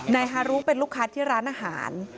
ฮารุเป็นลูกค้าที่ร้านอาหาร